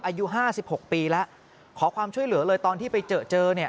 อายุ๕๖ปีแล้วขอความช่วยเหลือเลยตอนที่ไปเจอเจอเนี่ย